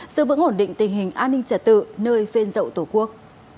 giữ vững ổn định tình hình an ninh trật tự nơi phên dậu tổ quốc